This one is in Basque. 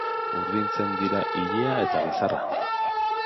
Urdintzen dira ilea eta bizarra.